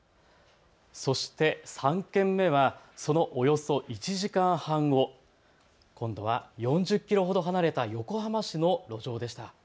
そして３件目はそのおよそ１時間半後、今度は４０キロほど離れた横浜市の路上でした。